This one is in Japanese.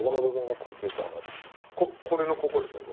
これのここですね。